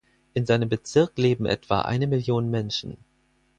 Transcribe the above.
In seinem Bezirk leben etwa eine Million Menschen.